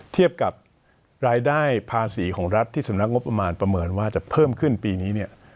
เทียบกับรายได้ภาษีของรัฐที่สำนักงบประมาณประเมินว่าจะเพิ่มขึ้นปีนี้เนี่ย